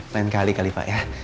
lain kali kali pak ya